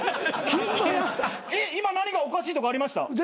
今何かおかしいとこありました？